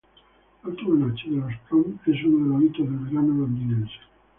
La última noche de los Proms es uno de los hitos del verano londinense.